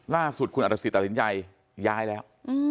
ล่าสุดคุณอัฐศิษตัดสินใจย้ายแล้ว